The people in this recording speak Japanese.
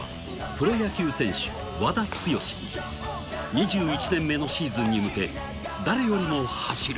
２１年目のシーズンに向け誰よりも走る